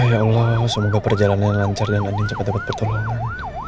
ya allah semoga perjalanan lancar dan andin cepet dapet pertolongan